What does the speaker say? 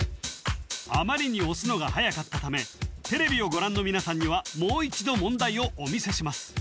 あまりに押すのがはやかったためテレビをご覧の皆さんにはもう一度問題をお見せします